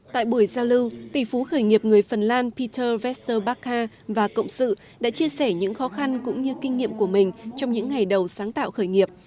tại buổi giao lưu tỷ phú khởi nghiệp người phần lan peter westerbacca và cộng sự đã chia sẻ những khó khăn cũng như kinh nghiệm của mình trong những ngày đầu sáng tạo khởi nghiệp